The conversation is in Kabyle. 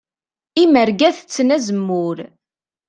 Imerga tetten azemmur.